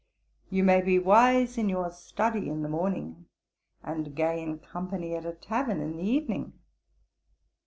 You may be wise in your study in the morning, and gay in company at a tavern in the evening.